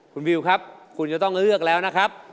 คุณวิวครับคุณจะต้องเลือกแล้วนะครับ